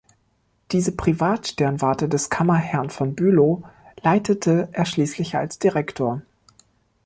Diese Privatsternwarte des Kammerherrn von Bülow leitete er schließlich als Direktor.